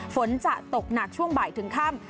ฝนจะตกหนักช่วงบ่ายถึงค่ำ